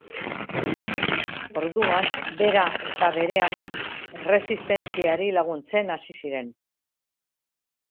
Orduan bera eta bere ama erresistentziari laguntzen hasi ziren.